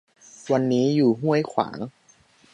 วันนี้อยู่ห้วยขวาง